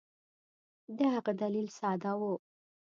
د هغه دلیل ساده وو.